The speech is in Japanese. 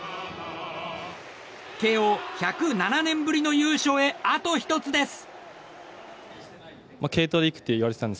慶應、１０７年ぶりの優勝へあと１つです。